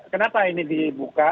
kenapa ini dibuka